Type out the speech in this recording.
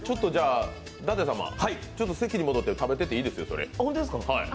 舘様、席に戻って食べてていいですよ、それ。